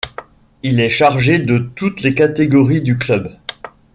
Il est chargé de toutes les catégories du club.